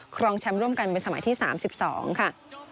ครองช้ำร่วมกันเป็นสมัยที่สามสิบสองค่ะ